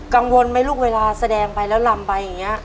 กังวลไหมลูกเวลาแสดงไปแล้วลำไปอย่างนี้